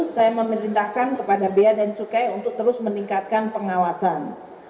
saya memerintahkan kepada bea dan cukai untuk terus meningkatkan pengawasan